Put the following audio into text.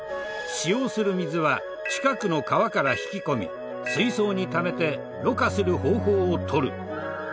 使用する水は近くの川から引き込み水槽にためてろ過する方法を取る。